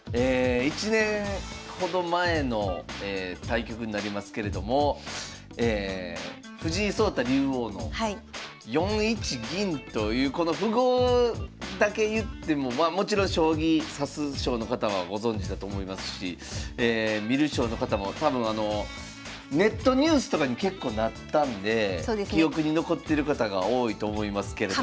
１年ほど前の対局になりますけれども藤井聡太竜王の４一銀というこの符号だけ言ってもまあもちろん将棋指す将の方はご存じだと思いますし観る将の方も多分あのネットニュースとかに結構なったんで記憶に残ってる方が多いと思いますけれども。